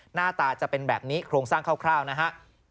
หน้าตาจะเป็นแบบนี้โครงสร้างคร่าวนะฮะ